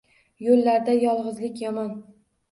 Yoʼllarda yolgʼizlik yomon.